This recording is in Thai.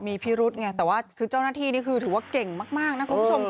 มีพิรุธไงแต่ว่าคือเจ้าหน้าที่นี่คือถือว่าเก่งมากนะคุณผู้ชม